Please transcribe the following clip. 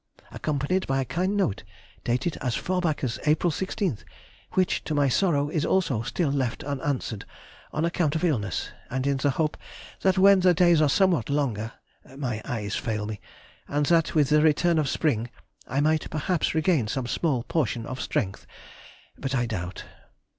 accompanied by a kind note, dated as far back as April 16th, which, to my sorrow, is also still left unanswered on account of illness, and in the hope that when the days are somewhat longer (my eyes fail me), and that with the return of spring I might perhaps regain some small portion of strength—but I doubt.